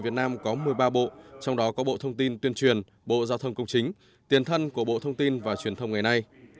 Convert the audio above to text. việt nam có một mươi ba bộ trong đó có bộ thông tin tuyên truyền bộ giao thông công chính tiền thân của bộ thông tin và truyền thông ngày nay